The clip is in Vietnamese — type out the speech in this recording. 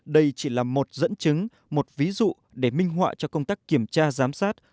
đây chỉ là một dẫn chứng một ví dụ để minh họa cho công tác kiểm tra giám sát